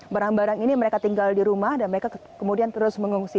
barang barang ini mereka tinggal di rumah dan mereka kemudian terus mengungsi